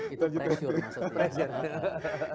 itu pressure maksudnya